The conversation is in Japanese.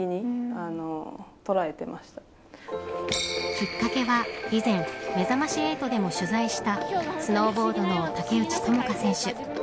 きっかけは以前めざまし８でも取材したスノーボードの竹内智香選手。